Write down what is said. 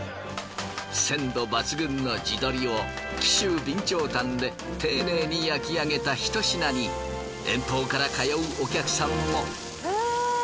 鮮度抜群の地鶏を紀州備長炭で丁寧に焼き上げた一品に遠方から通うお客さんも。